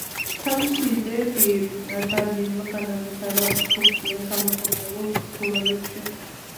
თავისი იდეები დარვინმა განავითარა უფრო გვიან გამოქვეყნებულ თხზულებებში.